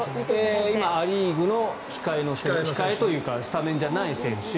今、ア・リーグの控えというかスタメンじゃない選手。